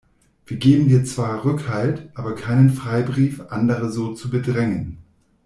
Wir geben dir zwar Rückhalt, aber keinen Freibrief, andere so zu bedrängen.